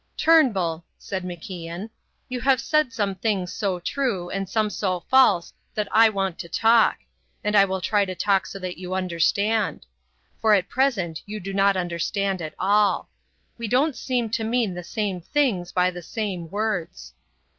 "Turnbull," said MacIan, "you have said some things so true and some so false that I want to talk; and I will try to talk so that you understand. For at present you do not understand at all. We don't seem to mean the same things by the same words."